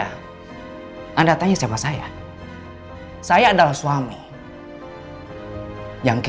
sehingga anda tetap sekerja dan belajar di dalam al ghaith